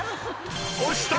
押した！